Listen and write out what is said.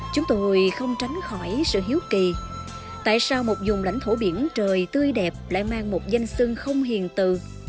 chúng tôi không tránh khỏi sự hiếu kỳ tại sao một dùng lãnh thổ biển trời tươi đẹp lại mang một danh sưng không hiền từ